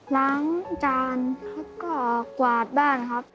ล้างจานเขาก็กวาดบ้านครับ